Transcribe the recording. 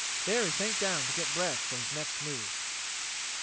There he sank down to get breath for his next move.